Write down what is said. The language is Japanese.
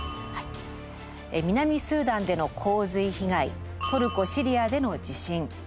南スーダンでの洪水被害トルコ・シリアでの地震